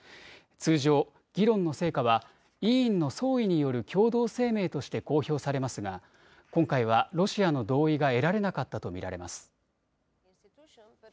通常、議論の成果は委員の総意による共同声明として公表されますが今回はロシアの同意が得られなかったと見られます。